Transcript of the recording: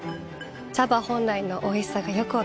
茶葉本来のおいしさがよく分かります。